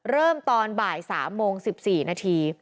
เริ่มตอนบ่าย๓โมง๑๔นาที